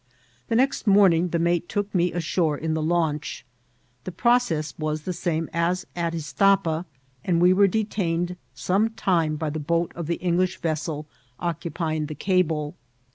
The next mortiing the mate took me ashore in the launch. The process was the same as at Istapa, and we were detained some time by the boat of the English vessel occupying the cable.